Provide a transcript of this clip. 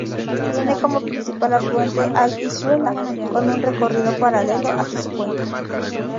Tiene como principal afluente al Isuela, con un recorrido paralelo hasta su cuenca.